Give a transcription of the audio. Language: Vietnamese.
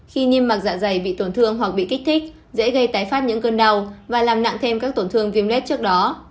khi nhi mặc dạ dày bị tổn thương hoặc bị kích thích dễ gây tái phát những cơn đau và làm nặng thêm các tổn thương viêm lết trước đó